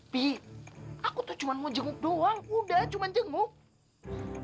pi aku tuh cuma mau jenguk doang udah cuma jenguk